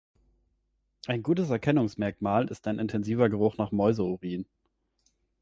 Ein gutes Erkennungsmerkmal ist ein intensiver Geruch nach Mäuse-Urin.